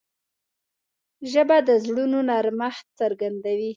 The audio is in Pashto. ژبه د زړونو نرمښت څرګندوي